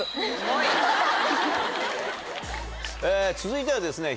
続いてはですね